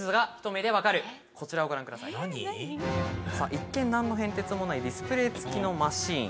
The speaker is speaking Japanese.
一見何の変哲もないディスプレー付きのマシン。